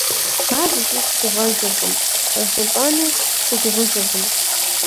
Ар зыкӏи гугъэжыркъым, къехъулӀэну щыгугъыжыркъым.